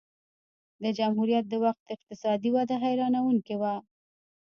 د جمهوریت د وخت اقتصادي وده حیرانوونکې وه